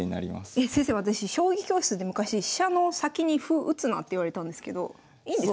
えっ先生私将棋教室で昔飛車の先に歩打つなって言われたんですけどいいんですか？